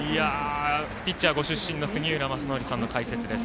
ピッチャーご出身の杉浦正則さんの解説です。